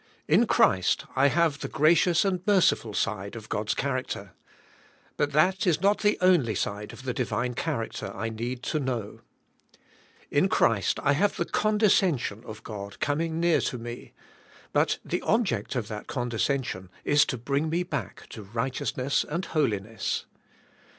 In Christ I have the gracious and merciful side of God's char 130 THE SPIRITUAL LIFE. acter. But that is not the only side of the divine character I need to know. In Christ I have the condescension of God coming near to me, but the object of that condescension is to bring me back to riofhteousness and holiness.